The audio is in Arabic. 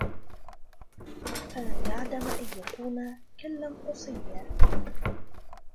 فَلَنْ يَعْدَمَ أَنْ يَكُونَ كَلًّا قَصِيًّا